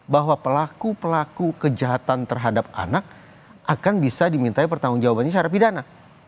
bahwa pelaku pelaku kejahatan terhadap anak akan bisa dimintai pertanggung jawabannya secara pidana